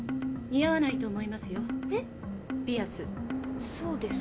似合わないと思います。